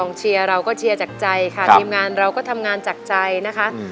เชียร์เราก็เชียร์จากใจค่ะทีมงานเราก็ทำงานจากใจนะคะ